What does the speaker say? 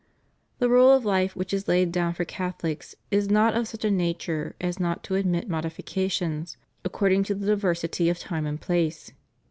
The rule of life which is laid down for Catholics is not of such a nature as not to admit modifications, according to the diversity of time and place.